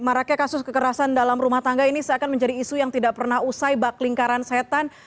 maraknya kasus kekerasan dalam rumah tangga ini seakan menjadi isu yang tidak pernah usai bak lingkaran setan